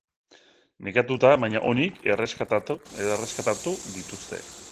Nekatuta baina onik erreskatatu dituzte.